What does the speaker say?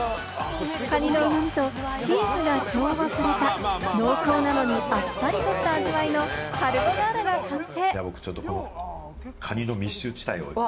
カニのうま味とチーズが調和された濃厚なのにあっさりとした味わいのカルボナーラが完成！